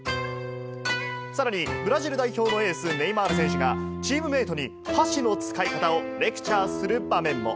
さらにブラジル代表のエース、ネイマール選手が、チームメートに、箸の使い方をレクチャーする場面も。